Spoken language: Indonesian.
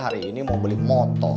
hari ini mau beli motor